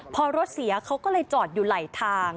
พอรถเสียเขาก็เลยจอดอยู่ไหลทาง